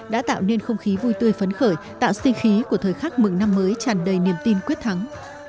đã tạo nên không khí vui tươi phấn khởi tạo sinh khí của thời khắc mừng năm mới tràn đầy niềm tin quyết thắng